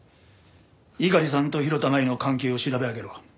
猪狩さんと広田舞の関係を調べ上げろ。